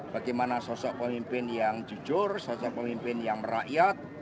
bagaimana sosok pemimpin yang jujur sosok pemimpin yang merakyat